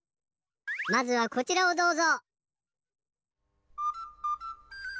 まずはこちらをどうぞ。